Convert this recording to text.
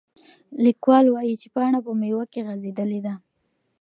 لیکوال وایي چې پاڼه په میوه کې غځېدلې ده.